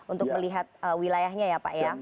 untuk melihat wilayahnya ya pak ya